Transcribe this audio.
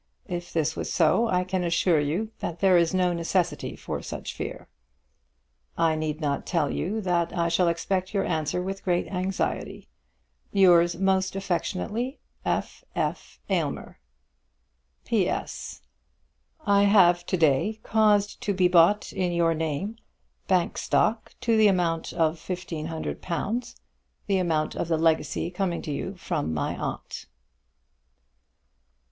If this was so, I can assure you that there is no necessity for such fear. I need not tell you that I shall expect your answer with great anxiety. Yours most affectionately, F. F. AYLMER. P.S. I have to day caused to be bought in your name Bank Stock to the amount of fifteen hundred pounds, the amount of the legacy coming to you from my aunt.